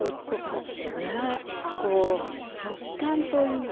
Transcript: そう。